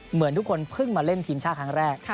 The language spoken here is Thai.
เหมือนทุกคนเพิ่งมาเล่นทีมชาติครั้งแรก